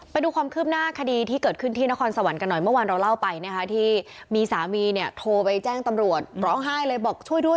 ไปดูความคืบหน้าคดีที่เกิดขึ้นที่นครสวรรค์กันหน่อยเมื่อวานเราเล่าไปนะคะที่มีสามีเนี่ยโทรไปแจ้งตำรวจร้องไห้เลยบอกช่วยด้วย